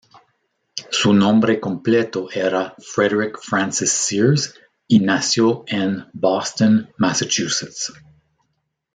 Su nombre completo era Frederick Francis Sears, y nació en Boston, Massachusetts.